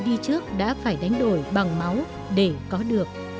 đã phải đánh đổi bằng máu để có được